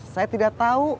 saya tidak tahu